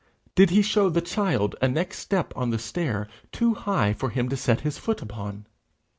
Did he show the child a next step on the stair too high for him to set his foot upon?